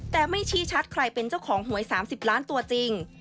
แต่ไม่ชี้ชัดใครเป็นเจ้าของหวย๓๐ล้านตัวจริง